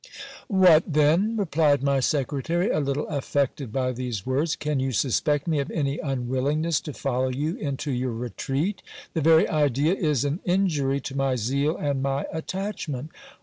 What then ! replied my secretary, a little affected by these words, can you s ispect me of any unwillingness to follow you into your retreat ? The very idea is an injury to my zeal and my attachment..